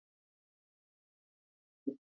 فاریاب د افغانستان په هره برخه کې موندل کېږي.